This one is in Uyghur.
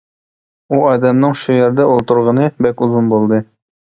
ئۇ ئادەمنىڭ شۇ يەردە ئولتۇرغىنى بەك ئۇزۇن بولدى.